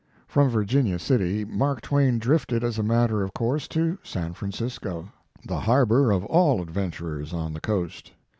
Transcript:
From Virginia City, Mark Twain drifted as a matter of course to San Francisco the harbor of all adventurers on the coast.